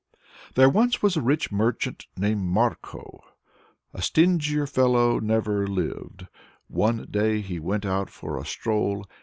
There once was a rich merchant named Marko a stingier fellow never lived! One day he went out for a stroll.